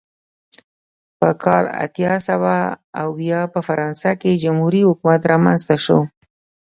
په کال اته سوه اویا په فرانسه کې جمهوري حکومت رامنځته شو.